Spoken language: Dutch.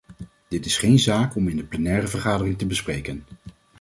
Dit is geen zaak om in de plenaire vergadering te bespreken.